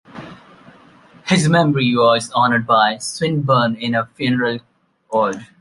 His memory was honoured by Swinburne in a funeral ode.